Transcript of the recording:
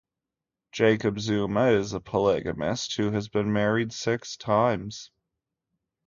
Jacob Zuma is a polygamist who has been married six times.